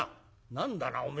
「何だなおめえは。